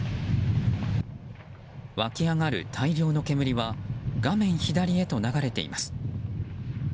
湧き上がる大量の煙は画面左へと流れています。